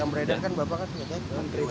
yang beredarkan bapak kan menteri bumn